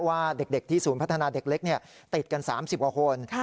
ว่าเด็กที่ศูนย์พัฒนาเด็กเล็กติดกัน๓๐กว่าคน